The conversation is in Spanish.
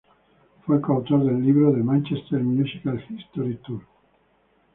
Fue coautor del libro "The Manchester Musical History Tour".